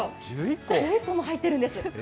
１１本も入ってるんです。